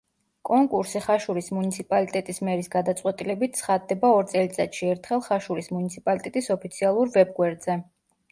კონკურსი ხაშურის მუნიციპალიტეტის მერის გადაწყვეტილებით ცხადდება ორ წელიწადში ერთხელ ხაშურის მუნიციპალიტეტის ოფიციალურ ვებგვერდზე.